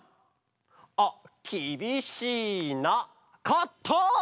あっきびしいなカッター！